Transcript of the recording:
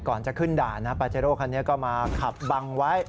ก่อนจะขึ้นด่านนะปาเจโร่คันนี้ก็มาขับบังไว้